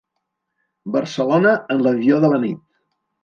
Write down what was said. Barcelona en l'avió de la nit.